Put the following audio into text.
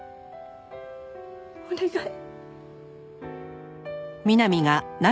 お願い。